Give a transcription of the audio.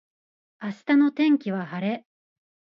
明日の天気は晴れ。